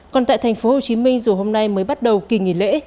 còn tại thành phố hồ chí minh dù hôm nay mới bắt đầu kỳ nghỉ lễ